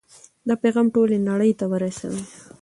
دا پیغام ټولې نړۍ ته ورسوئ.